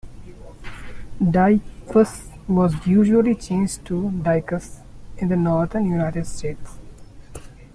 "Deicws" was usually changed to "Dicus" in the northern United States.